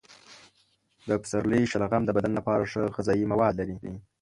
د پسرلي شلغم د بدن لپاره ښه غذايي مواد لري.